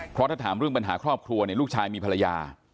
เพราะถ้าถามเรื่องปัญหาครอบครัวเนี่ยลูกชายมีภรรยา